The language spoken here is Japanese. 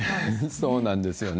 そうなんですよね。